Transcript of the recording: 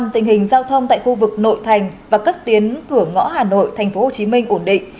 tình hình giao thông tại khu vực nội thành và các tuyến cửa ngõ hà nội tp hcm ổn định